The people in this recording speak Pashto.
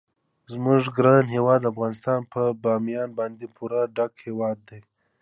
زموږ ګران هیواد افغانستان په بامیان باندې پوره ډک هیواد دی.